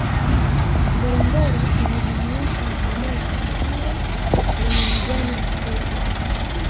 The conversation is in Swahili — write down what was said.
Ngorongoro inajumuisha eneo la tambarare lenye majani mafupi